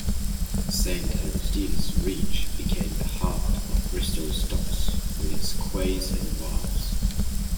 Saint Augustine's Reach became the heart of Bristol's docks with its quays and wharfs.